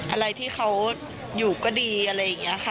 อะไรที่เขาอยู่ก็ดีอะไรอย่างนี้ค่ะ